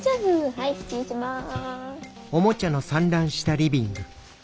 はい失礼します。